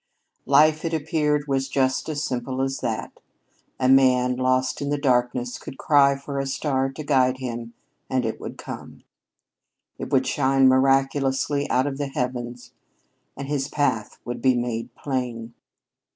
Life, it appeared, was just as simple as that. A man, lost in the darkness, could cry for a star to guide him, and it would come. It would shine miraculously out of the heavens, and his path would be made plain.